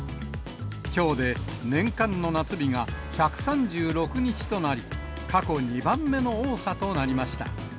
きょうで年間の夏日が１３６日となり、過去２番目の多さとなりました。